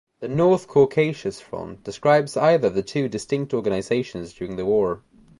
The North Caucasus Front describes either of two distinct organizations during the war.